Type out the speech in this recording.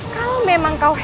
kalau memang kau hebat